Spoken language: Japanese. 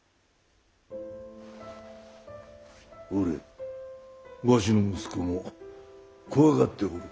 ほれわしの息子も怖がっておる。